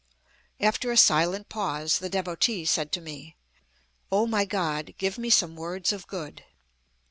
After a silent pause the Devotee said to me: "O my God, give me some words of good."